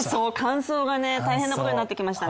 乾燥が大変なことになってきましたね。